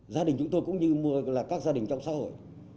gia đình chúng tôi cũng như là các gia đình trong xã hội